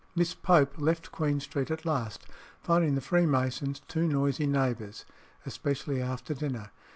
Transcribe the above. Miss Pope left Queen Street at last, finding the Freemasons too noisy neighbours, especially after dinner.